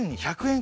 １００円